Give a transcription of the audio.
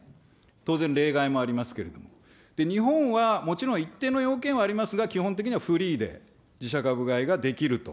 当然、例外もありますけれども、日本はもちろん一定の要件はありますが、基本的にはフリーで自社株買いができると。